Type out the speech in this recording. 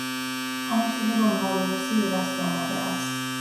آنچه که با نادرستی به دست آمده است.